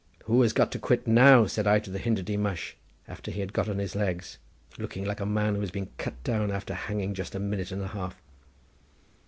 'Who has got to quit now?' said I to the Hindity mush after he had got on his legs, looking like a man who has been cut down after hanging just a minute and a half.